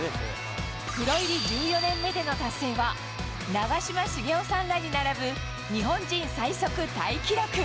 プロ入り１４年目での達成は、長嶋茂雄さんらに並ぶ日本人最速タイ記録。